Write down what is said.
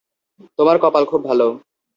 তোমার কপাল খুব ভালো।